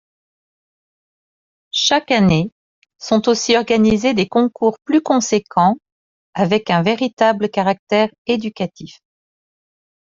Chaque année sont aussi organisés des concours plus conséquents avec un véritable caractère éducatif.